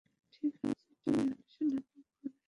ঠিক আছে, তুমি অনুশীলনের পরে হোটেলে চলে যেও।